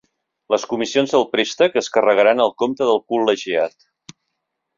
Les comissions del préstec es carregaran al compte del col·legiat.